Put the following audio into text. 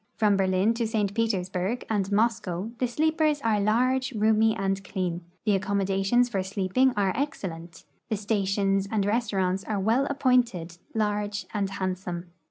From Berlin to St. Petersburg and INIoscow the sleei)ers are large, roonyv, and clean ; the accommodations for sleeping are excellent ; the stations and restaurants are well appointed, large, and handsome.